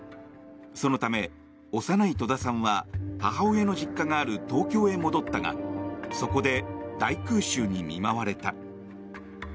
そのため幼い戸田さんは母親の実家がある東京へ戻ったがそこで大空襲に見舞われた。